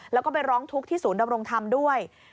แล้วก็ไปร้องทุกข์ที่ศูนย์ดำรงธรรมด้วย